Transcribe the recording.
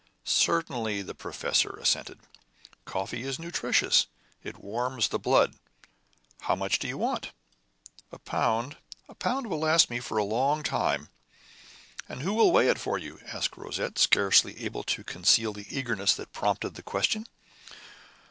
"Certainly," the professor assented. "Coffee is nutritious; it warms the blood. How much do you want?" "A pound. A pound will last me for a long time." "And who will weigh it for you?" asked Rosette, scarcely able to conceal the eagerness that prompted the question.